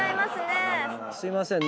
すいません。